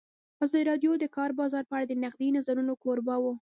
ازادي راډیو د د کار بازار په اړه د نقدي نظرونو کوربه وه.